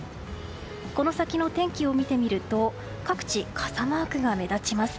この先の天気を見てみると各地傘マークが目立ちます。